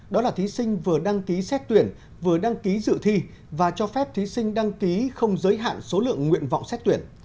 đó là thí sinh vừa đăng ký xét tuyển vừa đăng ký dự thi và cho phép thí sinh đăng ký không giới hạn số lượng nguyện vọng xét tuyển